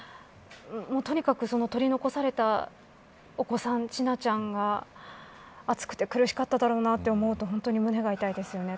とにかく取り残されたお子さん千奈ちゃんが暑くて苦しかっただろうなと思うと胸が痛いですよね。